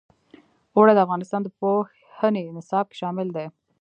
اوړي د افغانستان د پوهنې نصاب کې شامل دي.